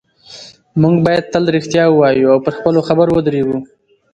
موږ باید تل رښتیا ووایو او پر خپلو خبرو ودرېږو